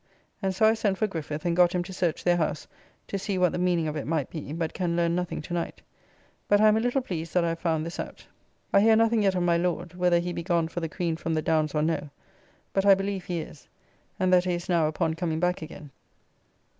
And so I sent for Griffith, and got him to search their house to see what the meaning of it might be, but can learn nothing to night. But I am a little pleased that I have found this out. I hear nothing yet of my Lord, whether he be gone for the Queen from the Downs or no; but I believe he is, and that he is now upon coming back again.